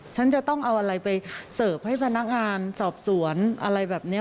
ฉันจะต้องเอาอะไรไปเสิร์ฟให้พนักงานสอบสวนอะไรแบบนี้